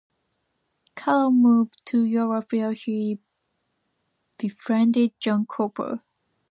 Carroll moved to Europe where he befriended John Cooper.